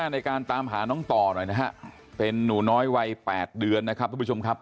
ในการตามหาน้องต่อหน่อยนะฮะเป็นหนูน้อยวัย๘เดือนนะครับทุกผู้ชมครับ